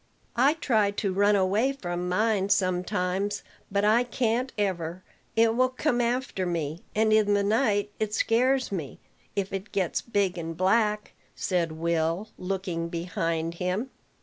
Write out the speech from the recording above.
"I try to run away from mine sometimes, but I can't ever. It will come after me; and in the night it scares me, if it gets big and black," said Will, looking behind him.